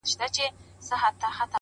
خپلي خبري خو نو نه پرې کوی؛